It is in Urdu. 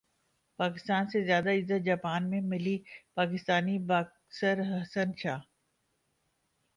پاکستان سے زیادہ عزت جاپان میں ملی پاکستانی باکسر حسین شاہ